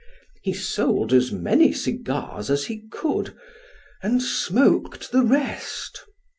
He sold as many cigars as he could, and smoked the rest.